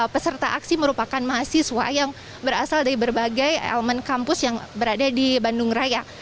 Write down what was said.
peserta aksi merupakan mahasiswa yang berasal dari berbagai elemen kampus yang berada di bandung raya